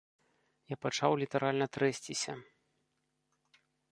Я пачаў літаральна трэсціся.